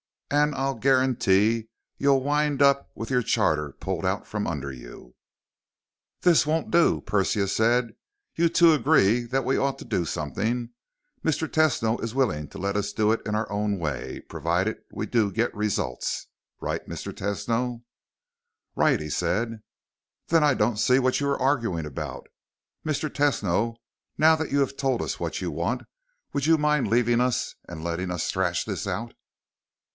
And I'll guarantee you you'll wind up with your charter pulled out from under you!" "This won't do," Persia said. "You two agree that we ought to do something. Mr. Tesno is willing to let us do it in our own way provided we do get results. Right, Mr. Tesno?" "Right," he said. "Then I don't see what you are arguing about. Mr. Tesno, now that you've told us what you want, would you mind leaving us and letting us thrash this out?"